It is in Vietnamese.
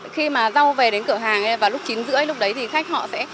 khi mà rau về đến cửa hàng và lúc chín rưỡi lúc đấy thì khách họ sẽ